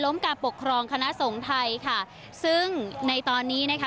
การปกครองคณะสงฆ์ไทยค่ะซึ่งในตอนนี้นะคะ